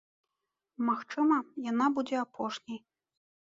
Магчыма, яна будзе апошняй.